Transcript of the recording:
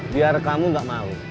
biar kamu gak malu